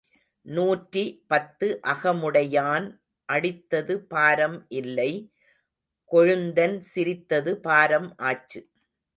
நூற்றி பத்து அகமுடையான் அடித்தது பாரம் இல்லை கொழுந்தன் சிரித்தது பாரம் ஆச்சு.